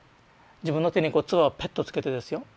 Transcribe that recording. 自分の手にこう唾をペッとつけてですよ